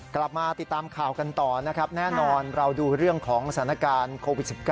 กลับมาติดตามข่าวกันต่อนะครับแน่นอนเราดูเรื่องของสถานการณ์โควิด๑๙